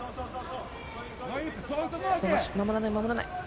守らない、守らない。